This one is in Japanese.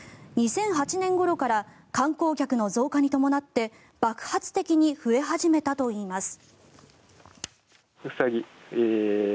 ２００８年ごろから観光客の増加に伴って爆発的に増え始めたといいます。